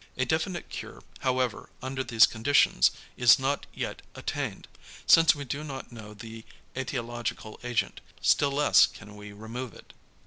A definite cure however under these conditions is not yet attained, since we do not know the ætiological agent, still less can we remove it.